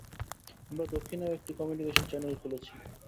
আমরা দক্ষিণেও একটি communication channel খুলেছি।